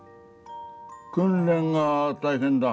訓練が大変だ。